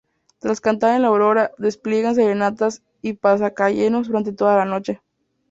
Tras cantar a la Aurora, despliegan serenatas y pasacalles durante toda la noche.